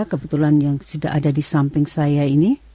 kebetulan yang sudah ada di samping saya ini